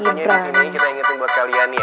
dan tentunya disini kita ingetin buat kalian ya